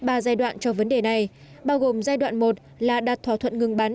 ba giai đoạn cho vấn đề này bao gồm giai đoạn một là đạt thỏa thuận ngừng bắn